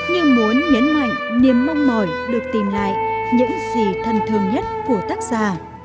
như muốn nhấn mạnh niềm mong mỏi được tìm lại những gì thân thương nhất của tác giả